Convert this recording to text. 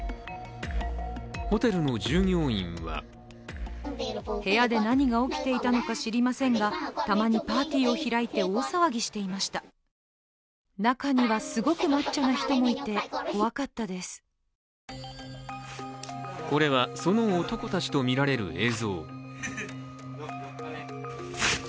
ホテルの従業員はこれはその男たちとみられる映像。